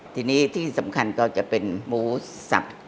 ทีนี้ที่สำคัญก็จะเป็นหมูสับ